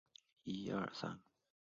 公主和李继崇的婚姻不愉快。